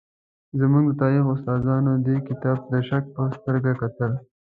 زموږ د تاریخ استادانو دې کتاب ته د شک په سترګه کتل.